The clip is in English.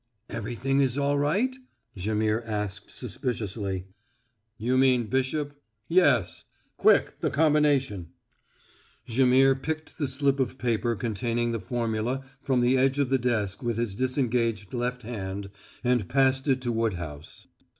"Everything is all right?" Jaimihr asked suspiciously. "You mean Bishop? Yes. Quick, the combination!" Jaimihr picked the slip of paper containing the formula from the edge of the desk with his disengaged left hand and passed it to Woodhouse.